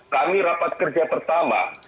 kami rapat kerja pertama